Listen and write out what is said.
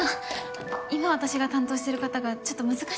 あの今私が担当してる方がちょっと難しい方。